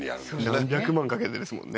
何百万かけてですもんね